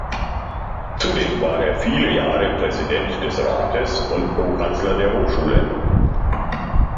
Zudem war er viele Jahre Präsident des Rates und Prokanzler der Hochschule.